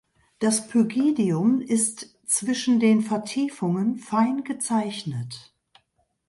Das Pygidium ist zwischen den Vertiefungen fein gezeichnet.